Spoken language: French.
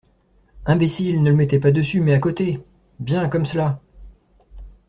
Imbécile, ne le mettez pas dessus, mais à côté. — Bien comme cela.